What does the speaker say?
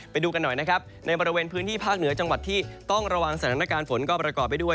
ไปดูกันหน่อยนะครับในบริเวณพื้นที่ภาคเหนือจังหวัดที่ต้องระวังสถานการณ์ฝนก็ประกอบไปด้วย